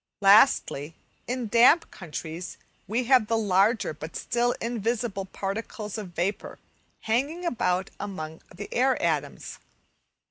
Lastly, in damp countries we have the larger but still invisible particles of vapour hanging about among the air atoms.